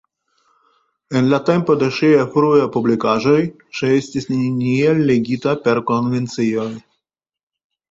En la tempo de ŝiaj fruaj publikaĵoj ŝi estis neniel ligita per konvencioj.